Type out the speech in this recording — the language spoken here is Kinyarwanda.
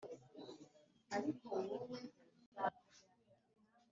nibyo yashingiyeho muriryo sesengura yakoze